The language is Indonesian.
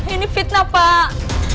ini fitnah pak